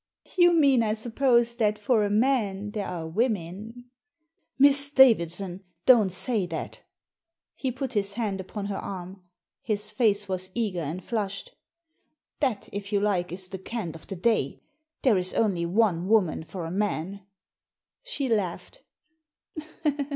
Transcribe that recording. " You mean, I suppose, that for a man there are women." " Miss Davidson ! Don't say that" He put his hand upon her arm. His face was eager and flushed. " That, if you like, is the cant of the day. There is only one woman for a man." She laughed.